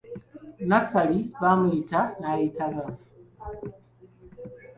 Nassali b'amuyita n'ayitaba.